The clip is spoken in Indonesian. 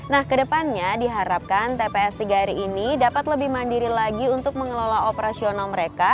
nah kedepannya diharapkan tps tiga r ini dapat lebih mandiri lagi untuk mengelola operasional mereka